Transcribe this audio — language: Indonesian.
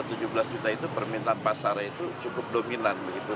rp tujuh belas juta itu permintaan pasarnya itu cukup dominan begitu